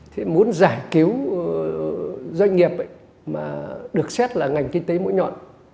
thì muốn giải cứu doanh nghiệp mà được xét là ngành kinh tế mỗi nhọn